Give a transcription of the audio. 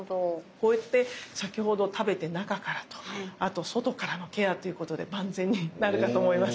こうやって先ほど食べて中からとあと外からのケアということで万全になるかと思います。